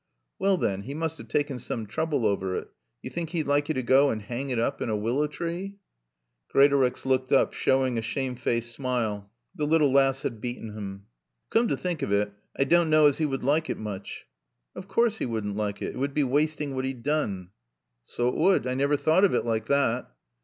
"Well, then, he must have taken some trouble over it. Do you think he'd like you to go and hang it up in a willow tree?" Greatorex looked up, showing a shamefaced smile. The little lass had beaten him. "Coom to think of it, I doan' knaw as he would like it mooch." "Of course he wouldn't like it. It would be wasting what he'd done." "So 't would. I naver thought of it like thot."